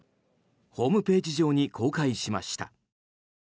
ホームページ上に公開しました。